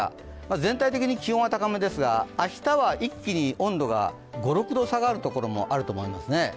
全体的に気温は高めでしたが、明日は一気に温度が５６度下がるところもあると思いますね。